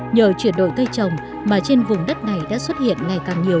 nhờ chuyển đổi cây trồng mà trên vùng đất này đã xuất hiện ngày càng nhiều